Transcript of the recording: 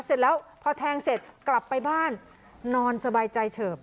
เสร็จแล้วพอแทงเสร็จกลับไปบ้านนอนสบายใจเฉิบ